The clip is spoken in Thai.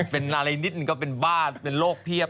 เป็นอะไรนิดหนึ่งก็เป็นบ้าเป็นโรคเพียบ